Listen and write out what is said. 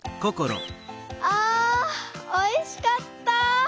あおいしかった。